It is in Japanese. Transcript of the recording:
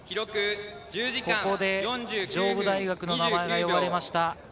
ここで上武大学の名前が呼ばれました。